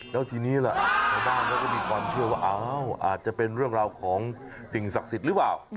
แล้วทีนี้ล่ะชาวบ้านเขาก็มีความเชื่อว่าอ้าวอาจจะเป็นเรื่องราวของสิ่งศักดิ์สิทธิ์หรือเปล่า